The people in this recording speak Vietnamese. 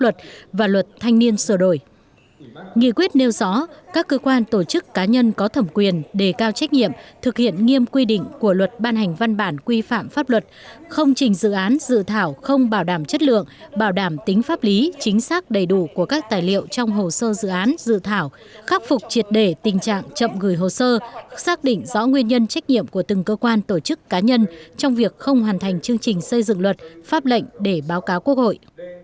thì quyết nêu rõ các cơ quan tổ chức cá nhân có thẩm quyền đề cao trách nhiệm thực hiện nghiêm quy định của luật ban hành văn bản quy phạm pháp luật không chỉnh dự án dự thảo không bảo đảm chất lượng bảo đảm tính pháp lý chính xác đầy đủ của các tài liệu trong hồ sơ dự án dự thảo khắc phục triệt đề tình trạng chậm gửi hồ sơ xác định rõ nguyên nhân trách nhiệm của từng cơ quan tổ chức cá nhân trong việc không hoàn thành chương trình xây dựng luật pháp lệnh để báo cáo quốc hội